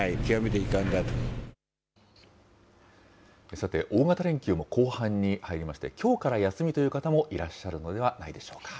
さて、大型連休も後半に入りまして、きょうから休みという方もいらっしゃるのではないでしょうか。